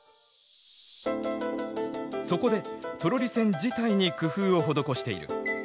そこでトロリ線自体に工夫を施している。